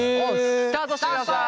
スタートしてください。